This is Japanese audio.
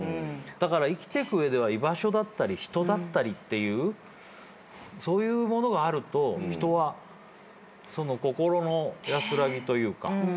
だから生きてく上では居場所だったり人だったりというそういうものがあると人は心の安らぎというか。